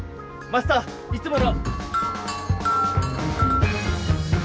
マスターいつもの！